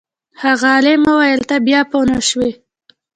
هغه عالم وویل ته بیا پوه نه شوې.